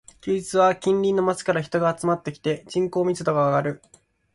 休日は近隣の街から人が集まってきて、人口密度が上がる